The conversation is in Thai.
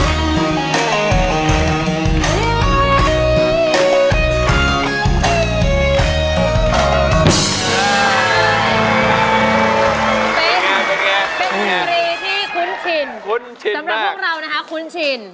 สำหรับพวกเรานะครับคุ้นชิน